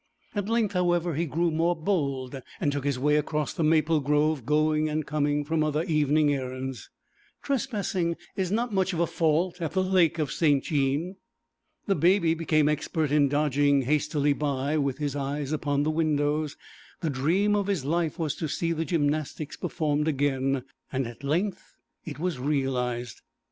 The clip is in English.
At length, however, he grew more bold, and took his way across the maple grove going and coming from other evening errands. Trespassing is not much of a fault at the lake of St. Jean. The Baby became expert in dodging hastily by, with his eyes upon the windows; the dream of his life was to see the gymnastics performed again; at length it was realised.